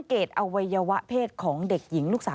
ก็เลยนำตัวส่งแพทย์ตรวจร่างกาย